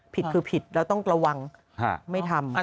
ผิดคือผิดแล้วต้องระวังไม่ทำ